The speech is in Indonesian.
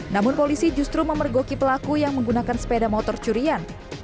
namun polisi justru memergoki pelaku yang menggunakan sepeda motor curian